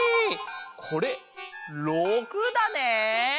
これ６だね。